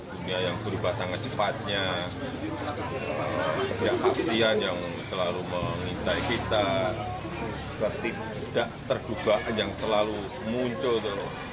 dunia yang berubah sangat cepatnya kejahatian yang selalu mengintai kita ketidakterdugaan yang selalu muncul